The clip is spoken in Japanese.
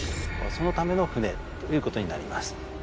そのための船ということになります。